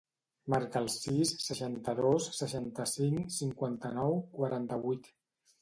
Marca el sis, seixanta-dos, seixanta-cinc, cinquanta-nou, quaranta-vuit.